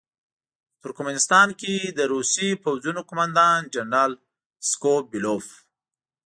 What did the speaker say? د ترکمنستان کې د روسي پوځونو قوماندان جنرال سکو بیلوف.